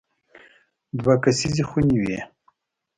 دوه کسیزې خونې وې.